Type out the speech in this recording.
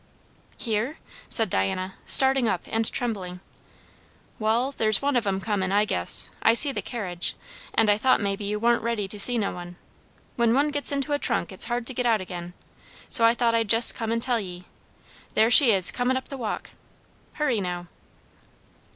"Here?" said Diana, starting up and trembling. "Wall, there's one of 'em comin', I guess I see the carriage and I thought maybe you warn't ready to see no one. When one gets into a trunk it's hard to get out again. So I thought I'd jes' come and tell ye. There she is comin' up the walk. Hurry, now."